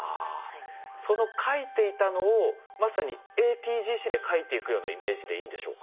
その書いていたのをまさにＡＴＧＣで書いていくようなイメージでいいんでしょうか？